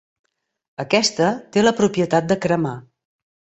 Aquesta té la propietat de cremar.